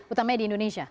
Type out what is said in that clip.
utamanya di indonesia